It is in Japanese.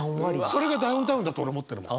それがダウンタウンだと俺思ってるもん。